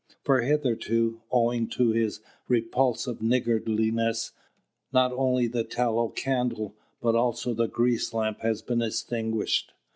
For hitherto, owing to his repulsive niggardliness, not only the tallow candle but also the grease lamp has been extinguished.